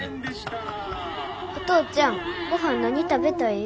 お父ちゃんごはん何食べたい？